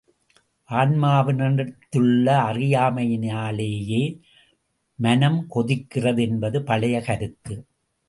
ஆன்மாவினிடத்திலுள்ள அறியாமையினாலேயே மனம் கெடுகிறது என்பது பழைய கருத்து.